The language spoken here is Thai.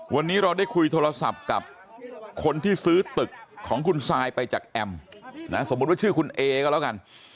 วันนี้เราได้คุยโทรศัพท์กับคนที่ซื้อตึกของคุณซายไปจากแอมนะสมมุติว่าชื่อคุณเอก็แล้วกัน